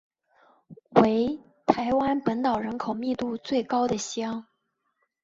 为台湾本岛人口密度最高的乡。